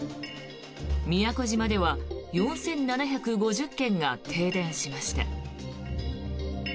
宮古島では４７５０軒が停電しました。